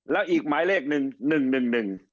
แล้วอีกหมายเลขนึง๑๑๑